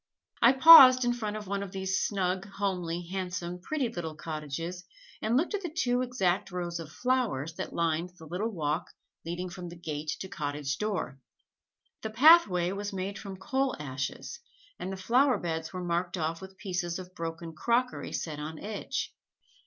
I paused in front of one of these snug, homely, handsome, pretty little cottages and looked at the two exact rows of flowers that lined the little walk leading from gate to cottage door. The pathway was made from coal ashes and the flowerbeds were marked off with pieces of broken crockery set on edge.